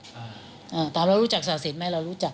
อ่าถามเรารู้จักศาสินไหมเรารู้จัก